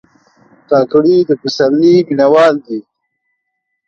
کاکړي د پسرلي مینهوال دي.